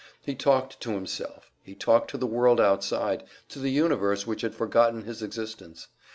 He talked to himself, he talked to the world outside, to the universe which had forgotten his existence.